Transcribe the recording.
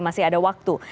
masih ada waktu